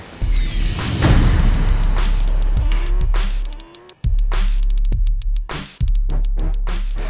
tidak ada yang bisa dikira